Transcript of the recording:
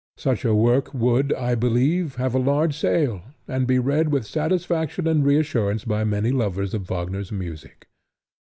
Such a work, would, I believe, have a large sale, and be read with satisfaction and reassurance by many lovers of Wagner's music.